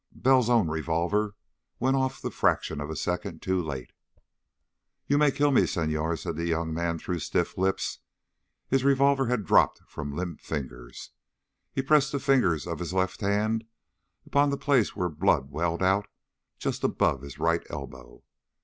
Bell's own revolver went off the fraction of a second too late. "You may kill me, Senhor," said the young man through stiff lips. His revolver had dropped from limp fingers. He pressed the fingers of his left hand upon the place where blood welled out, just above his right elbow.